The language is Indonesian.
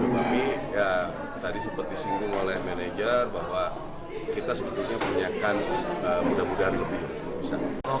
tapi ya tadi seperti singgung oleh manajer bahwa kita sebetulnya perniakan mudah mudahan lebih besar